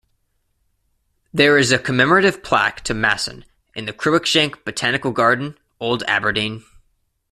There is a commemorative plaque to Masson in the Cruickshank Botanic Garden, Old Aberdeen.